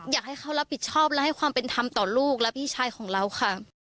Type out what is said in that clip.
อยากให้เขารับผิดชอบและให้ความเป็นธรรมต่อลูกและพี่ชายของเราค่ะ